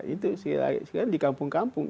itu di kampung kampung